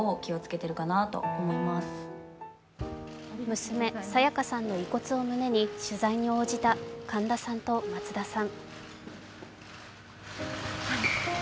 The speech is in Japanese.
娘・沙也加さんの遺骨を胸に、取材に応じた神田さんと松田さん。